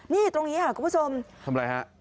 นี่ตรงนี้ค่ะคุณผู้ชมทำอะไรฮะ